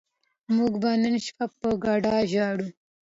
موږ به نن شپه په ګډه ژاړو